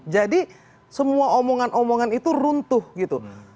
jadi semua omongan omongan itu runtuh gitu